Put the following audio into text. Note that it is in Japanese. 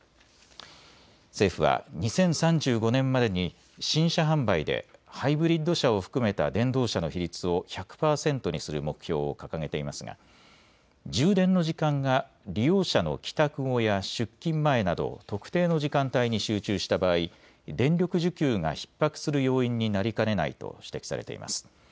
政府は２０３５年までに新車販売でハイブリッド車を含めた電動車の比率を１００％にする目標を掲げていますが充電の時間が利用者の帰宅後や出勤前など特定の時間帯に集中した場合、電力需給がひっ迫する要因になりかねないと指摘されています。